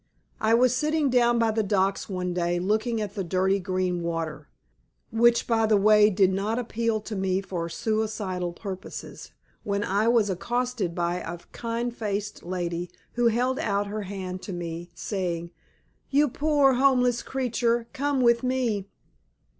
I was sitting down by the docks one day looking at the dirty green water, which, by the way, did not appeal to me for suicidal purposes, when I was accosted by a kind faced lady who held out her hand to me saying, "You poor homeless creature, come with me."